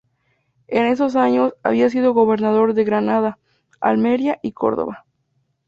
En esos años, había sido gobernador de Granada, Almería y Córdoba.